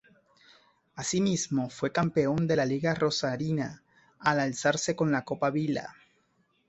Asimismo, fue campeón de liga rosarina, al alzarse con la Copa Vila.